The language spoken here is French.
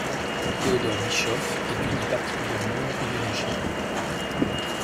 Theodor Bischoff étudie particulièrement l’embryologie.